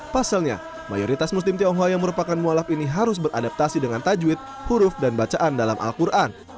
pasalnya mayoritas muslim tionghoa yang merupakan mualaf ⁇ ini harus beradaptasi dengan tajwid huruf dan bacaan dalam al quran